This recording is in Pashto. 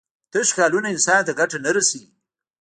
تش خیالونه انسان ته ګټه نه رسوي.